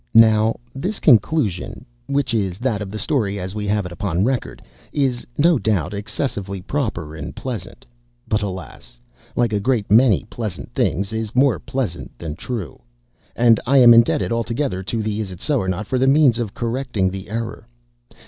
Now, this conclusion (which is that of the story as we have it upon record) is, no doubt, excessively proper and pleasant—but alas! like a great many pleasant things, is more pleasant than true, and I am indebted altogether to the "Isitsöornot" for the means of correcting the error.